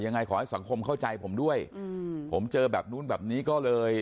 ยังไงขอให้สังคมเข้าใจผมด้วยอืมผมเจอแบบนู้นแบบนี้ก็เลย